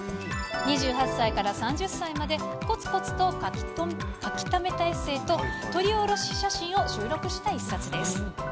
２８歳から３０歳まで、こつこつと書きためたエッセイと、撮りおろし写真を収録した一冊です。